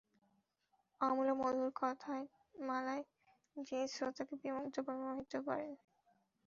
অম্লমধুর কথার মালায় যিনি শ্রোতাকে বিমুগ্ধ বিমোহিত করেন।